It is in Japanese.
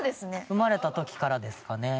生まれた時からですかね。